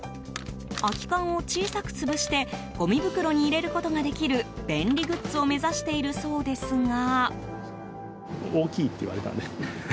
空き缶を小さく潰してごみ袋に入れることができる便利グッズを目指しているそうですが。